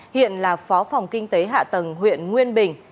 hiện là phó phòng kinh tế hạ tầng huyện nguyên bình